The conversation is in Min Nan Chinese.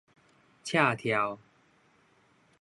赤柱